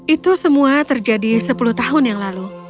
itu semua terjadi sepuluh tahun yang lalu